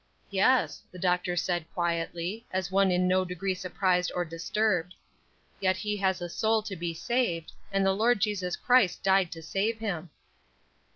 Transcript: "Yes," the Doctor said, quietly, as one in no degree surprised or disturbed; "yet he has a soul to be saved, and the Lord Jesus Christ died to save him."